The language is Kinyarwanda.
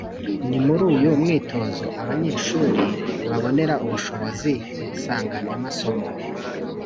Ni muri uyu mwitozo abanyeshuri babonera ubushobozi nsanganyamasomo